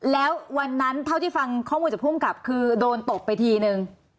แล้ววันนั้นเท่าที่ฟังข้อมูลจากภูมิกับคือโดนตบไปทีนึง